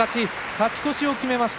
勝ち越しを決めました